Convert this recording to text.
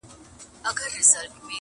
مینېږم زما فطرت عاشقانه دی,